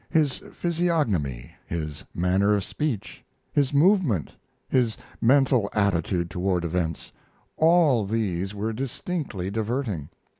His physiognomy, his manner of speech, this movement, his mental attitude toward events all these were distinctly diverting.